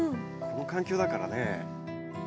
この環境だからね。